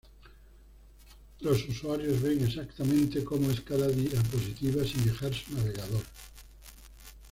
Los usuarios ven exactamente como es cada diapositiva sin dejar su navegador.